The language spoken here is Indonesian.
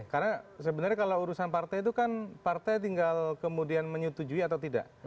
karena sebenarnya kalau urusan partai itu kan partai tinggal kemudian menyetujui atau tidak